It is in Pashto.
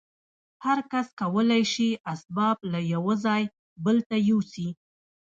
هر کس کولای شي اسباب له یوه ځای بل ته یوسي